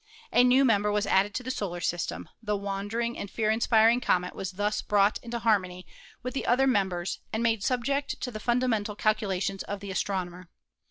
A new member was added to the solar system; the wandering and fear inspiring comet was thus brought into harmony with the other members and made subject to the fundamental calculations of the astronomer.